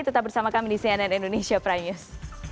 tetap bersama kami di cnn indonesia prime news